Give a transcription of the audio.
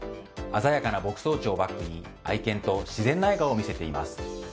鮮やかな牧草地をバックに愛犬と自然な笑顔を見せています。